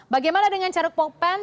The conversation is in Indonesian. bagaimana dengan charon pogpeng